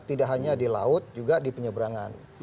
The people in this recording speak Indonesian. tidak hanya di laut juga di penyeberangan